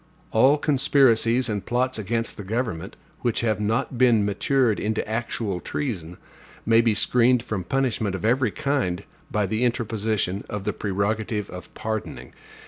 All conspiracies and plots against the government, which have not been matured into actual treason, may be screened from punishment of every kind, by the interposition of the prerogative of pardoning.